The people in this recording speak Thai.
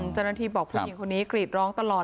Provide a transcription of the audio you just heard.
เจ้าหน้าที่บอกผู้หญิงคนนี้กรีดร้องตลอด